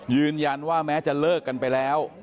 ยืนยันว่าแม้จะเลิกกันไปแล้ว